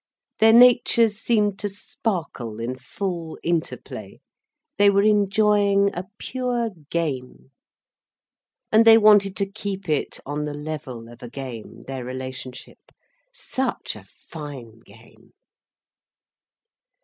Their natures seemed to sparkle in full interplay, they were enjoying a pure game. And they wanted to keep it on the level of a game, their relationship: such a fine game.